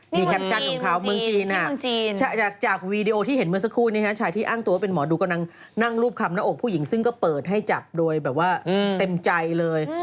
มีแคปชั่นของเขาเมืองจีนจากวีดีโอที่เห็นเมื่อสักครู่นี้ชายที่อ้างตัวเป็นหมอดูกำลังนั่งรูปคำหน้าอกผู้หญิงซึ่งก็เปิดให้จับโดยแบบว่าเต็มใจเลย